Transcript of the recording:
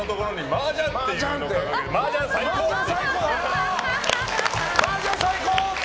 マージャン最高って。